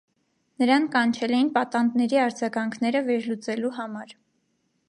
Նրան կանչել էին պատանդների արձագանքները վերլուծելու համար։